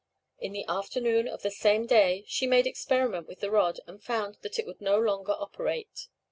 In the afternoon of the same day she made experiment with her rod, and found that it would no longer operate.